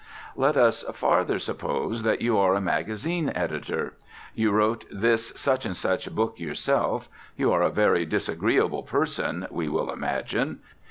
Let us farther suppose that you are a magazine editor. You wrote this Such and Such book yourself. You are a very disagreeable person (we will imagine).